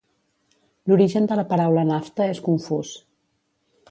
L'origen de la paraula Nafta és confús.